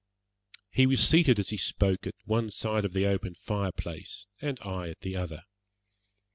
He was seated as he spoke at one side of the open fire place, and I at the other.